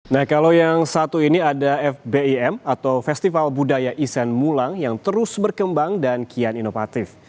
nah kalau yang satu ini ada fbim atau festival budaya iseng mulang yang terus berkembang dan kian inovatif